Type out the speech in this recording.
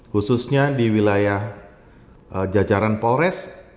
khususnya di wilayah jajaran polres